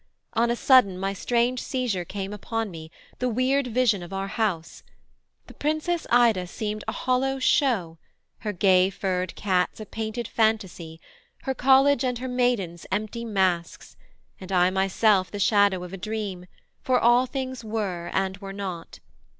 On a sudden my strange seizure came Upon me, the weird vision of our house: The Princess Ida seemed a hollow show, Her gay furred cats a painted fantasy, Her college and her maidens, empty masks, And I myself the shadow of a dream, For all things were and were not.